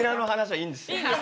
いいんです。